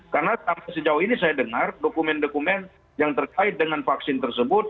karena sampai sejauh ini saya dengar dokumen dokumen yang terkait dengan vaksin tersebut